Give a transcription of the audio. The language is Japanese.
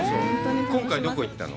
今回、どこ行ったの？